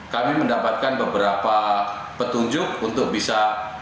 kami mendapatkan beberapa petunjuk untuk bisa